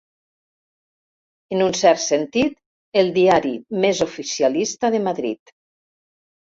En un cert sentit, el diari més oficialista de Madrid.